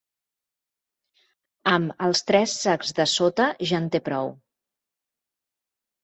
Amb els tres sacs de sota ja en té prou.